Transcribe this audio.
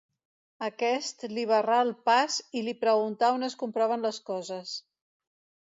aquest li barrà el pas, i li preguntà on es compraven les coses